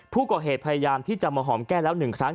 ผู้ก่อเหตุพยายามที่จะมาหอมแก้แล้ว๑ครั้ง